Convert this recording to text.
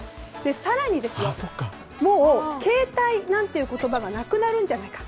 更に、もう携帯なんという言葉がなくなるんじゃないか。